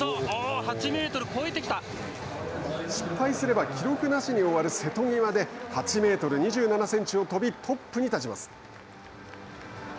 失敗すれば記録なしに終わる瀬戸際で８メートル２７センチを跳びトップに立ちます。